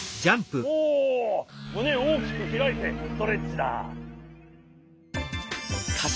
おおむねをおおきくひらいてストレッチだ。